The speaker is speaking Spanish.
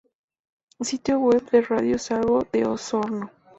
Sitio web de Radio Sago de Osorno